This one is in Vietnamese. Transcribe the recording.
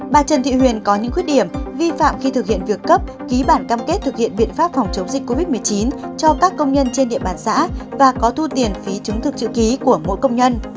bà trần thị huyền có những khuyết điểm vi phạm khi thực hiện việc cấp ký bản cam kết thực hiện biện pháp phòng chống dịch covid một mươi chín cho các công nhân trên địa bàn xã và có thu tiền phí chứng thực chữ ký của mỗi công nhân